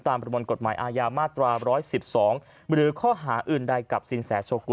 ประมวลกฎหมายอาญามาตรา๑๑๒หรือข้อหาอื่นใดกับสินแสโชกุล